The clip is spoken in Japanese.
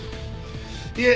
いえ。